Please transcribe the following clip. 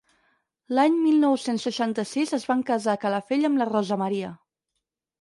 L'any mil nou-cents seixanta-sis es van casar a Calafell amb la Rosa Maria.